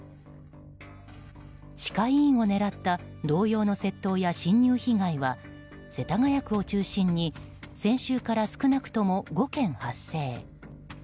歯科医院を狙った同様の窃盗や侵入被害は世田谷区を中心に先週から少なくとも５件発生。